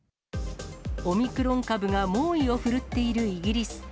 オミクロン株が猛威を振るっているイギリス。